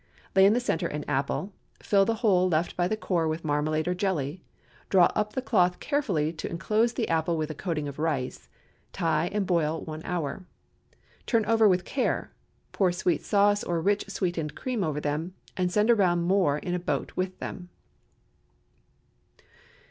Lay in the centre an apple; fill the hole left by the core with marmalade or jelly; draw up the cloth carefully to enclose the apple with a coating of rice; tie, and boil one hour. Turn over with care; pour sweet sauce or rich sweetened cream over them, and send around more in a boat with them.